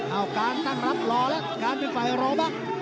เอาการตั้งรับรอแล้วการเป็นฝ่ายรอบ้าง